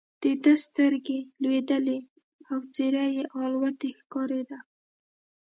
د ده سترګې لوېدلې او څېره یې الوتې ښکارېده.